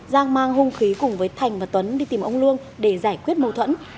giang mang hung khí cùng với thành và tuấn đi tìm ông lương để giải quyết mâu thuẫn